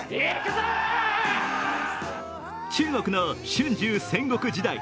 中国の春秋戦国時代。